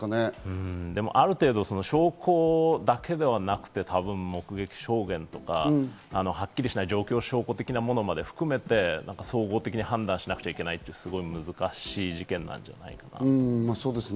ある程度、証拠だけではなくて多分、目撃証言とか、はっきりしない状況証拠的なものまで含めて総合的に判断しなくちゃいけないという、すごく難しい事件なんじゃないかなと思います。